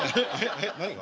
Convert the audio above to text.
えっ何が？